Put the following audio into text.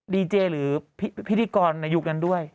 ดีเจหรือพิธีกรในยุคนั้นด้วย